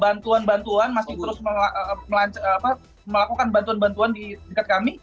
bantuan bantuan masih terus melakukan bantuan bantuan di dekat kami